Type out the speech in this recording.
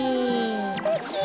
すてき。